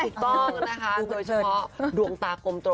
ถูกต้องนะคะโดยเฉพาะดวงตากลมโต